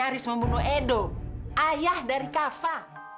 paharis membunuh edo ayah dari kafa